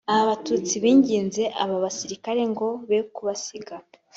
Aba batutsi binginze aba basirikare ngo be kubasiga